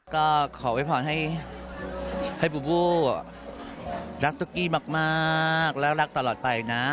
ก็ขอโวยพรให้บูบูรักตุ๊กกี้มากแล้วรักตลอดไปนะ